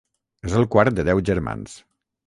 És el quart de deu germans.